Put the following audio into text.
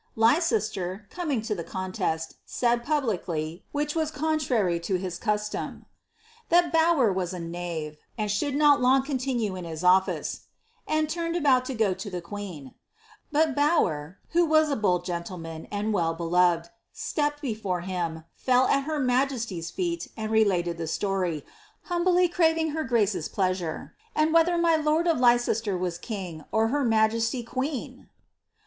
^ Leicester, coming lo ihe contest, said publicly, which was contrary lo his cuslnni, " that RowyiT "as a knave, and should not Ung continue in his office," and turned aboul to go to [he queen ; but Bowyer, who was a bold gentleman, and well beloved, stepped before him, fell at hn niajesty's feet, and related the slory, humbly craving her grace'a pla< sure, and whether my lord of Leicester was king, or her majesty qneeu